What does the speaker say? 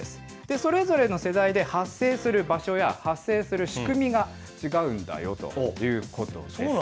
それぞれの世代で発生する場所や、発生する仕組みが違うんだよということです。